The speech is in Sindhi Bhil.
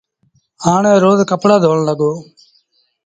هآڻي روز ڪپڙآ ڌوڻ لڳو۔